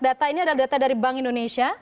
data ini adalah data dari bank indonesia